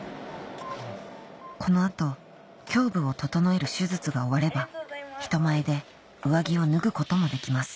この後胸部を整える手術が終われば人前で上着を脱ぐこともできます